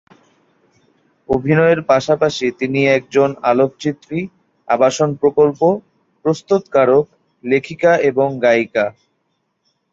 অভিনয়ের পাশাপাশি তিনি একজন আলোকচিত্রী, আবাসন প্রকল্প প্রস্তুতকারক, লেখিকা এবং গায়িকা।